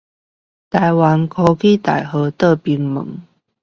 臺灣科技大學側門